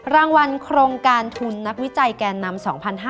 รางวัลโครงการทุนนักวิจัยแกนนำ๒๕๕๙